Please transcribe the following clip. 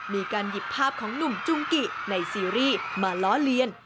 มีการหยิบภาพของหนุ่มจุงกิในซีรีส์มาล้อเลียน